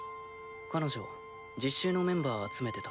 彼女実習のメンバー集めてた。